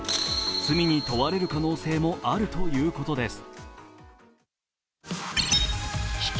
罪に問われる可能性もあるということです。